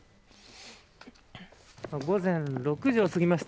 午前６時をすぎました。